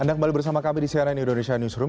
anda kembali bersama kami di cnn indonesia newsroom